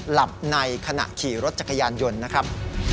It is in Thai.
หลับในขณะขี่รถจักรยานยนต์นะครับ